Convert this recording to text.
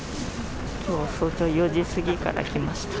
きょう早朝４時過ぎから来ました。